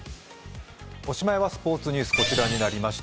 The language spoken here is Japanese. おしまいはスポーツニュース、こちらになりました。